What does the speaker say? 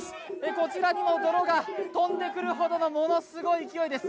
こちらにも泥が飛んでくるほどのものすごい勢いです。